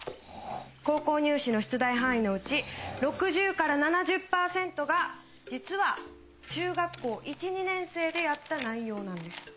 高校入試の出題範囲のうち６０から７０パーセントが実は中学校１２年生でやった内容なんです。